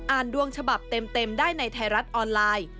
ดวงฉบับเต็มได้ในไทยรัฐออนไลน์